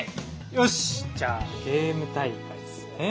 よしじゃあゲーム大会っすね。